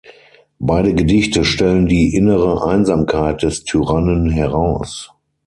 Beide Gedichte stellen die innere Einsamkeit des Tyrannen heraus.